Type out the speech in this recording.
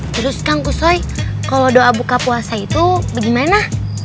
terus kangkusoy kalo doa buka puasa itu bagaimana